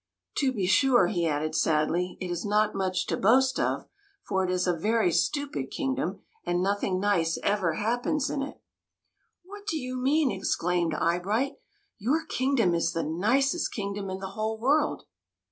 To be sure," he added sadly, '' it is not much to boast of, for it is a very stupid kingdom, and nothing nice ever happens in it." " What do you mean ?" exclaimed Eye 30 THE MAGICIAN'S TEA PARTY bright. " Your kingdom is the nicest kingdom in the whole world